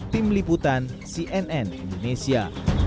tim liputan cnn indonesia